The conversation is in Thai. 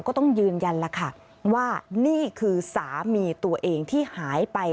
ก็ต้องยืนยันแล้วค่ะว่านี่คือสามีตัวเองที่หายไป